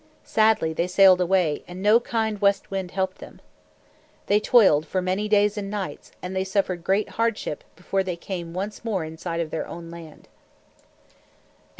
Sadly they sailed away, and no kind West Wind helped them. They toiled for many days and nights, and they suffered great hardship before they came once more in sight of their own land.